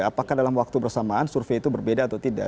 apakah dalam waktu bersamaan survei itu berbeda atau tidak